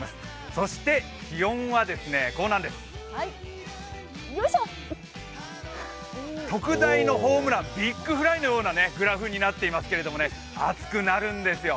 そして気温は特大のホームラン、ビッグフライのようなグラフになっていますけど、暑くなるんですよ。